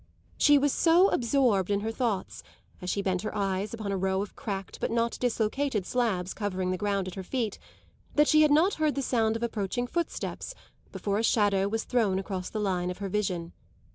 She was so absorbed in her thoughts, as she bent her eyes upon a row of cracked but not dislocated slabs covering the ground at her feet, that she had not heard the sound of approaching footsteps before a shadow was thrown across the line of her vision.